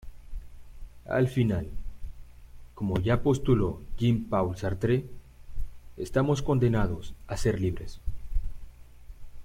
Al final, como ya postuló Jean-Paul Sartre, estamos condenados a ser libres.